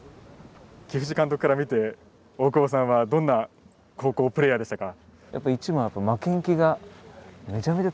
木藤監督から見て大久保さんはどんな高校プレーヤーでしたか？